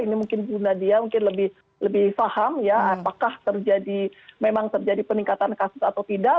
ini mungkin bu nadia mungkin lebih paham ya apakah terjadi memang terjadi peningkatan kasus atau tidak